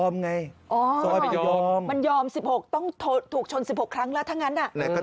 มันยอมถูกชน๑๖ครั้งแล้วถ้างั้น